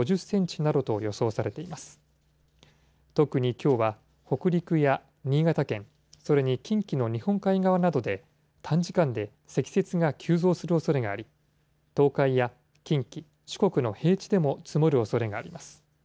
きょうは北陸や新潟県、それに近畿の日本海側などで短時間で積雪が急増するおそれがあり、東海や近畿、四国の平地でも積もるおそれがあります。